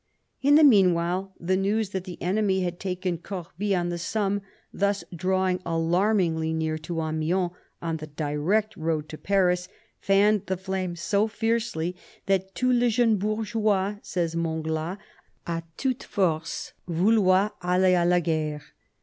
In the meanwhile, the news that the enemy had taken Corbie on the Somme, thus drawing alarmingly near to Amiens, on the direct road to Paris, fanned the flame so fiercely that " tout le jeune bourgeois," says Montglat, "a toute force, vouloit aller k la guerre."